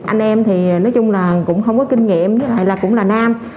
anh em thì nói chung là cũng không có kinh nghiệm lại là cũng là nam